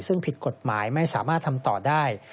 ซึ่งผิดกฎหมายไม่สามารถทำต่อได้